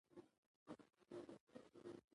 دا د نوي فیوډالي تولید عوامل وو.